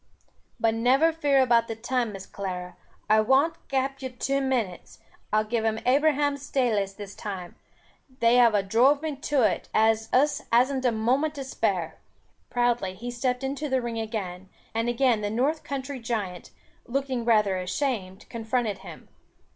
"But never fear about the time, Miss Clara, I won't kape you two minutes. I'll give him Abraham's staylace this time. They have a drove me to it, as us hasn't a moment to spare." Proudly he stepped into the ring again, and again the North Country giant, looking rather ashamed, confronted him.